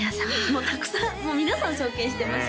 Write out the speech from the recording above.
もうたくさん皆さん尊敬してます